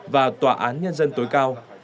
và tòa án nhân dân tối cao